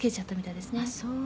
「あっそう。